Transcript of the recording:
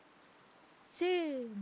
せの！